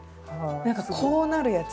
何かこうなるやつ。